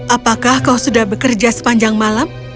apakah kau sudah bekerja sepanjang malam